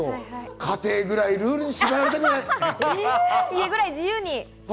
家庭ぐらいルールに縛られたくない。